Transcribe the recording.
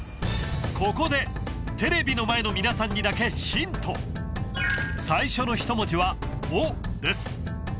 ここでテレビの前の皆さんにだけヒント最初の１文字は「お」です